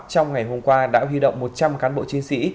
trong ngày hôm qua đã huy động một trăm linh cán bộ chiến sĩ